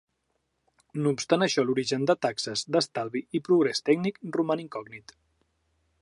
No obstant això l'origen les taxes d'estalvi i progrés tècnic roman incògnit.